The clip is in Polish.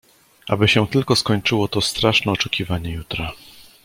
"Aby się tylko skończyło to straszne oczekiwanie jutra!"